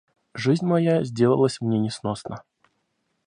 Жизнь моя сделалась мне несносна.